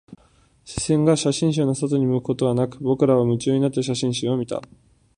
視線が写真集の外に向くことはなく、僕らは夢中になって写真集を見た